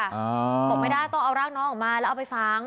บอกไม่ได้ต้องเอาร่างน้องออกมาแล้วเอาไปฝัง